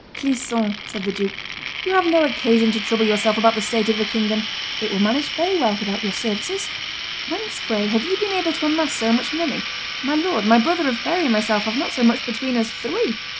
"Clisson," said the duke, "you have no occasion to trouble yourself about the state of the kingdom; it will manage very well without your services. Whence, pray, have you been able to amass so much money? My lord, my brother of Berry and myself have not so much between us three.